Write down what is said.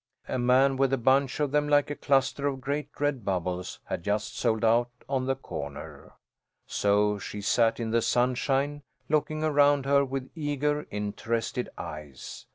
A man with a bunch of them like a cluster of great red bubbles, had just sold out on the corner. So she sat in the sunshine, looking around her with eager, interested eyes.